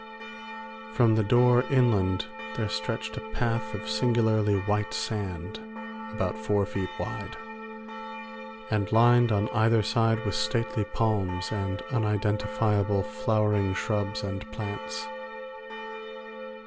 From the door inland there stretched a path of singularly white sand, about four feet wide, and lined on either side with stately palms and unidentifiable flowering shrubs and plants.